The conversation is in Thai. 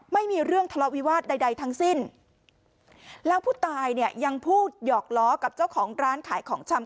ไม่มีเรื่องทะเลาะวิวาสใดใดทั้งสิ้นแล้วผู้ตายเนี่ยยังพูดหยอกล้อกับเจ้าของร้านขายของชำ